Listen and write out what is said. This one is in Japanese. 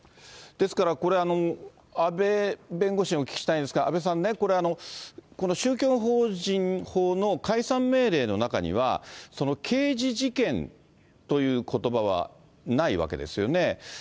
ですから、これ、阿部弁護士にお聞きしたいんですが、阿部さんね、これ、この宗教法人法の解散命令の中には、刑事事件ということばはないわけですよね。